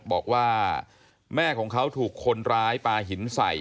บอกว่าแม่ของเขาถูกคนร้ายปลาหินใส่